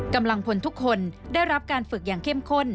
กำลังพลทุกคนได้รับการฝึกอย่างเข้มข้น